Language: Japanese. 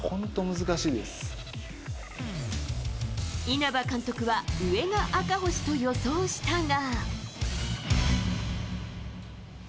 稲葉監督は上が赤星と予想したが。